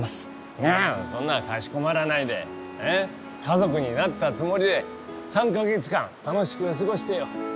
いやそんなかしこまらないで家族になったつもりで３か月間楽しく過ごしてよ。